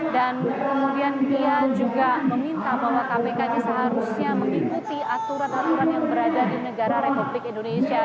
kemudian ia juga meminta bahwa kpk ini seharusnya mengikuti aturan aturan yang berada di negara republik indonesia